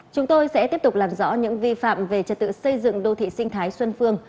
chúng tôi sẽ tiếp tục làm rõ những vi phạm về trật tự xây dựng đô thị sinh thái xuân phương